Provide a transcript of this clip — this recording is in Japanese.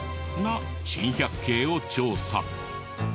な珍百景を調査。